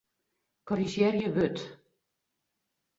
Korrizjearje wurd.